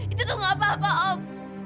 itu tuh gak apa apa om